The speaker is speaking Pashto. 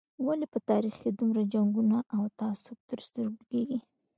ولې په تاریخ کې دومره جنګونه او تعصب تر سترګو کېږي.